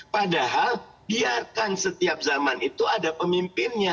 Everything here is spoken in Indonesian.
padahal biarkan setiap zaman itu ada pemimpinnya